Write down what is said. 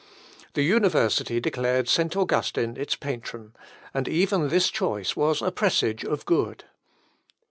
The university declared St. Augustine its patron; and even this choice was a presage of good.